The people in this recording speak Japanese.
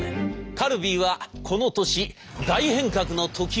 カルビーはこの年大変革の時を迎えておりました。